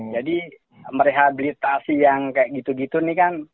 jadi merehabilitasi yang kayak gitu gitu nih kan